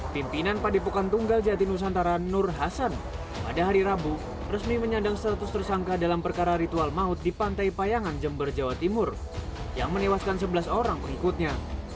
pimpinan padepokan tunggal jati nusantara nur hasan pada hari rabu resmi menyandang status tersangka dalam perkara ritual maut di pantai payangan jember jawa timur yang menewaskan sebelas orang pengikutnya